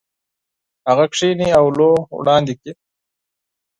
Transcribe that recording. هغه کښېني او لوحه وړاندې کوي.